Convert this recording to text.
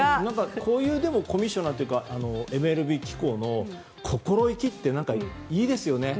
こういうコミッショナーというかＭＬＢ機構の心意気っていいですよね。